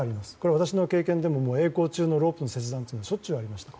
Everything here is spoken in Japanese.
私の経験でもえい航中のロープの切断はしょっちゅうありました。